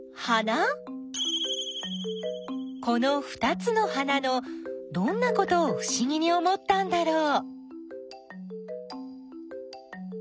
このふたつの花のどんなことをふしぎに思ったんだろう？